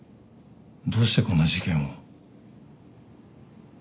どうしてこんな事件を？